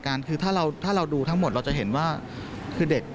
คือถ้าเราถ้าเราดูทั้งหมดเราจะเห็นว่าคือเด็ก